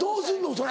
それ。